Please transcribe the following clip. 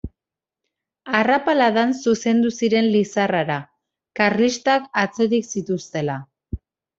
Arrapaladan zuzendu ziren Lizarrara, karlistak atzetik zituztela.